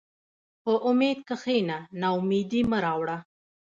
په امید کښېنه، ناامیدي مه راوړه.